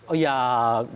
oh ya di satu segi